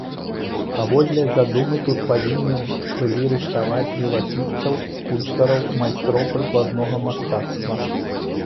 Паводле задумы, тут павінны былі рыхтаваць жывапісцаў, скульптараў, майстроў прыкладнога мастацтва.